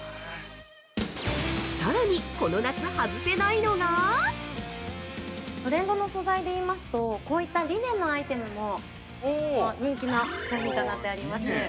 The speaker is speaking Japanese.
さらに、この夏外せないのが◆トレンドの素材でいいますとこういったリネンのアイテムも人気の商品となっております。